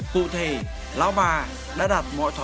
cụ thể lão bà đã đạt mọi cơ hội